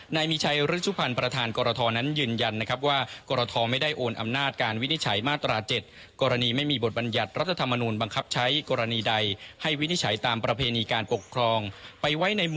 ในมีใช่ราชผันประธานกรทอนั้นยืนยันนะครับว่า